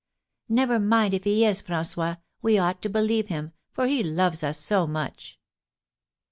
"Never mind if he is, François. We ought to believe him, for he loves us so much!"